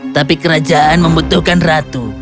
tapi kerajaan membutuhkan ratu